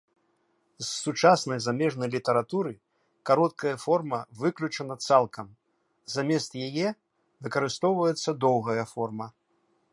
З сучаснай замежнай літаратуры кароткая форма выключана цалкам, замест яе выкарыстоўваецца доўгая форма.